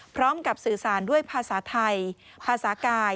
พร้อมกับสื่อสารด้วยภาษาไทยภาษากาย